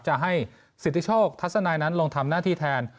จะให้สิทธิโชคทัศนายนั้นลงทำหน้าที่แทน